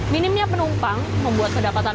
minimnya penumpang membuat kedapatan